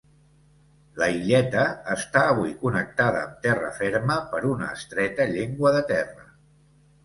La illeta està avui connectada amb terra ferma per una estreta llengua de terra.